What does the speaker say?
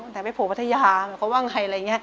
ไหนไปพูดพัทยาเขาว่าไงอะไรอย่างนี้